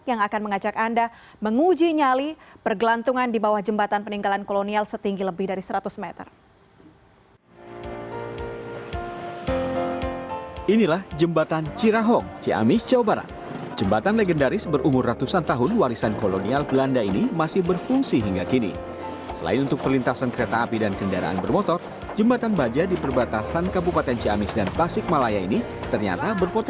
yang akan mengajak anda menguji nyali pergelantungan di bawah jembatan peninggalan kolonial setinggi lebih dari seratus meter